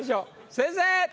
先生！